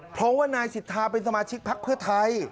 เพราะว่านายสิทธาเป็นสมาชิกพักเพื่อไทย